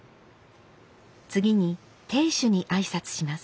次に亭主に挨拶します。